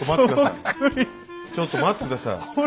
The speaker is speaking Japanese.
ちょっと待って下さい。